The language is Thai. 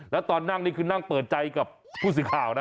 แล้วตอนนั่งนี่คือนั่งเปิดใจกับผู้สื่อข่าวนะ